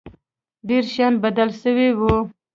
ډېر شيان بدل سوي وو.